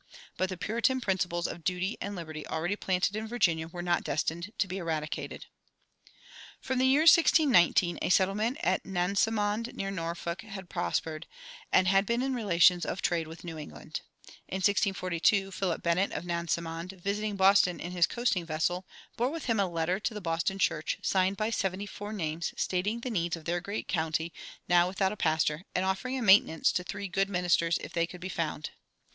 But the Puritan principles of duty and liberty already planted in Virginia were not destined to be eradicated. From the year 1619, a settlement at Nansemond, near Norfolk, had prospered, and had been in relations of trade with New England. In 1642 Philip Bennett, of Nansemond, visiting Boston in his coasting vessel, bore with him a letter to the Boston church, signed by seventy four names, stating the needs of their great county, now without a pastor, and offering a maintenance to three good ministers if they could be found.